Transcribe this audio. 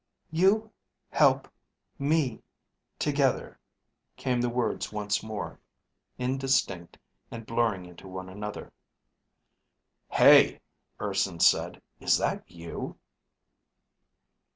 ... You ... help ... me ... together ... came the words once more, indistinct and blurring into one another. "Hey," Urson said, "is that you?"